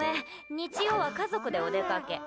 日曜は家族でお出かけ。